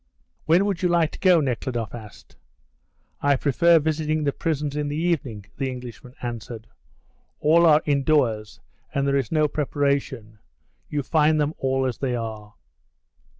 "When would you like to go?" Nekhludoff asked. "I prefer visiting the prisons in the evening," the Englishman answered. "All are indoors and there is no preparation; you find them all as they are."